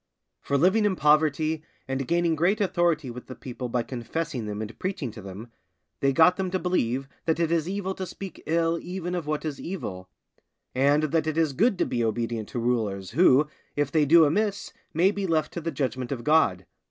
For living in poverty, and gaining great authority with the people by confessing them and preaching to them, they got them to believe that it is evil to speak ill even of what is evil; and that it is good to be obedient to rulers, who, if they do amiss, may be left to the judgment of God.